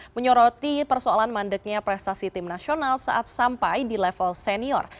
menyoroti persoalan mandeknya prestasi tim nasional saat sampai di level senior